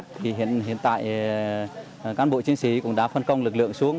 đối với một số địa bàn bị che cắt thì hiện tại cán bộ chiến sĩ cũng đã phân công lực lượng xuống